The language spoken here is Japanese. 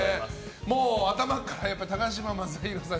もう、頭から高嶋政宏さん